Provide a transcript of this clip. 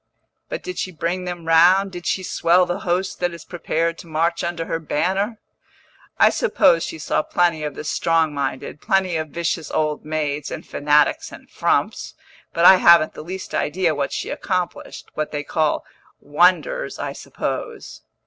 "But did she bring them round, did she swell the host that is prepared to march under her banner?" "I suppose she saw plenty of the strong minded, plenty of vicious old maids, and fanatics, and frumps. But I haven't the least idea what she accomplished what they call 'wonders,' I suppose."